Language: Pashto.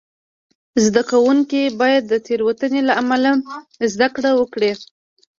زده کوونکي باید د تېروتنې له امله زده کړه وکړي.